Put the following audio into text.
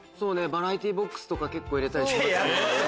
バラエティボックスとか結構入れたりしますね。